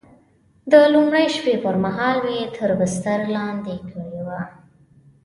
د لومړۍ شپې پر مهال مې تر بستر لاندې کړې وه.